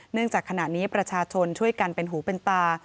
จากขณะนี้ประชาชนช่วยกันเป็นหูเป็นตา